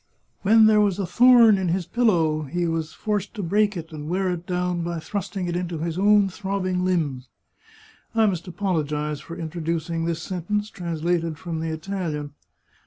'* When there was a thorn in his pillow he was forced to break it and wear it down by thrusting it into his own throbbing limbs." I must apologize for introducing this sentence, translated from the Italian.